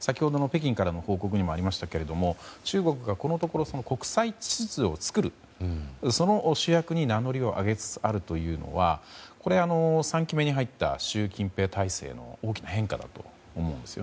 先ほどの北京からの報告にもありましたけれども中国がこのところ国際秩序を作るその主役に名乗りを上げつつあるというのは３期目に入った習近平体制の大きな変化だと思うんですよね。